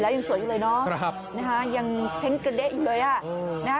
๕๔แล้วยังสวยอยู่เลยน้องครับนะฮะยังเช้นเก็บเต็กอยู่เลยอะ